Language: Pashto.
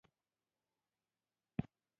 ټپي ته باید د ژوند خوند ورکړو.